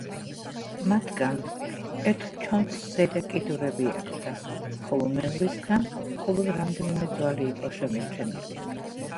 მათგან ერთ ჩონჩხს ზედა კიდურები აკლდა, ხოლო მეორისგან მხოლოდ რამდენიმე ძვალი იყო შემორჩენილი.